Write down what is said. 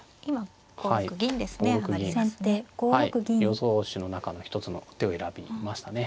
予想手の中の一つの手を選びましたね。